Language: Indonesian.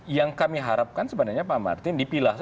yang kami harapkan sebenarnya pak martin dipilah saja